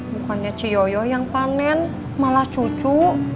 bukannya ciyoyo yang panen malah cucu